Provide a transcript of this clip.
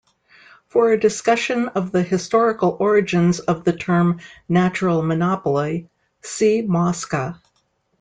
For a discussion of the historical origins of the term 'natural monopoly' see Mosca.